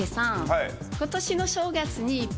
はい。